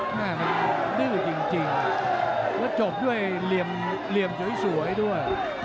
แม่มันดื้อจริงแล้วจบด้วยเหลี่ยมสวยด้วย